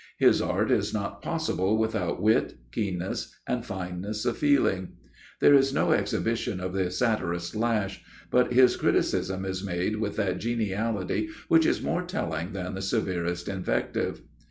His art is not possible without wit, keenness, and fineness of feeling. There is no exhibition of the satirist's lash, but his criticism is made with that geniality which is more telling than the severest invective.